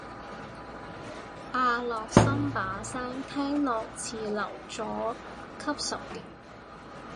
阿樂琛把聲聽落似留咗級十年